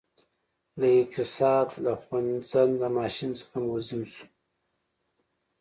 له اقتصاد له خوځنده ماشین څخه موزیم شو